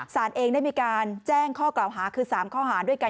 สารเองได้มีการแจ้งข้อกล่าวหาคือ๓ข้อหาด้วยกัน